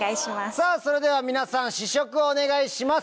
さぁそれでは皆さん試食をお願いします！